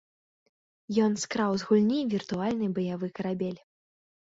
Ён скраў з гульні віртуальны баявы карабель.